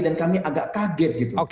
dan kami agak kaget gitu